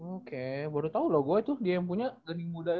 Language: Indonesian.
oke baru tahu loh gue itu dia yang punya gading muda